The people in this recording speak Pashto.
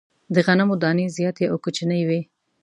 د غنمو دانې زیاتي او کوچنۍ وې.